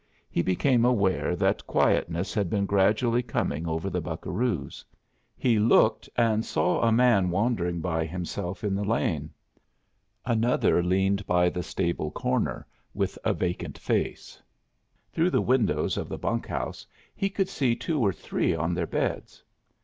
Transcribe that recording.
He became aware that quietness had been gradually coming over the buccaroos. He looked, and saw a man wandering by himself in the lane. Another leaned by the stable corner, with a vacant face. Through the windows of the bunk house he could see two or three on their beds.